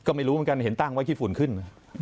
ก็ไม่รู้เหมือนกันเห็นตั้งไว้ขี้ฝุ่นขึ้น